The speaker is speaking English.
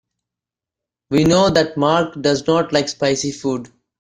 We know that Mark does not like spicy food.